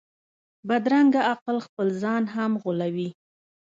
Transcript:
بدرنګه عقل خپل ځان هم غولوي